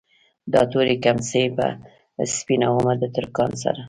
دا تورې کمڅۍ به سپينومه د ترکان سره